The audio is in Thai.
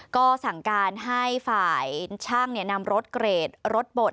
ก็สั่งการให้ฝ่ายช่างนำรถเกรดรถบด